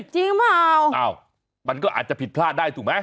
จริงเปล่ามันก็อาจจะผิดพลาดได้ถูกไหม